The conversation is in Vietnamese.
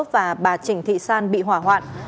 và bà trịnh thị san bị hỏa hoạn